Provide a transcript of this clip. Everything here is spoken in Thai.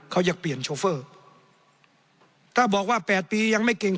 เขาอยากเปลี่ยนโชเฟอร์ถ้าบอกว่า๘ปียังไม่เก่ง